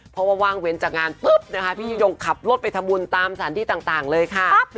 เพราะว่าว่างเว้นจากงานปุ๊บนะคะพี่ยิ่งยงขับรถไปทำบุญตามสถานที่ต่างเลยค่ะ